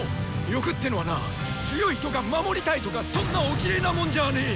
「欲」ってのはなあ「強い」とか「守りたい」とかそんなおキレイなもんじゃねぇ！